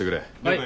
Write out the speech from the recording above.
はい。